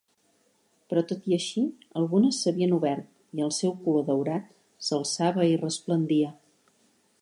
Però tot i així algunes s'havien obert, i el seu color daurat s'alçava i resplendia.